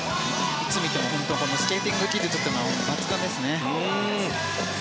いつ見てもスケーティング技術というのは抜群ですね。